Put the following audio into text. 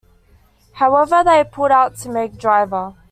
However, they pulled out to make "Driver".